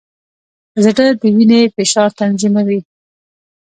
زړه د وینې فشار تنظیموي.